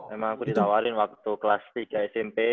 emang aku ditawarin waktu kelas tiga smp